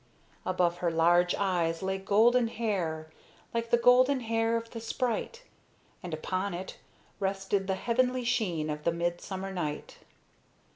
Above her large eyes lay golden hair, like the golden hair of the sprite, and upon it rested the heavenly sheen of the midsummer night.